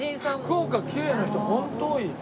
福岡キレイな人本当多い。